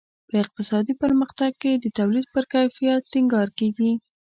په اقتصادي پرمختګ کې د تولید پر کیفیت ټینګار کیږي.